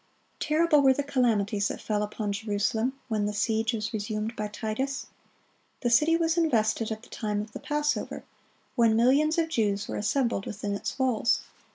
Terrible were the calamities that fell upon Jerusalem when the siege was resumed by Titus. The city was invested at the time of the Passover, when millions of Jews were assembled within its walls.